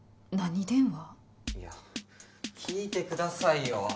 いや聞いてくださいよ。